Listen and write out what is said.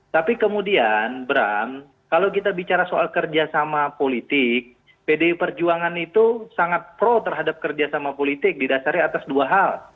tapi kemudian bram kalau kita bicara soal kerjasama politik pdi perjuangan itu sangat pro terhadap kerjasama politik didasari atas dua hal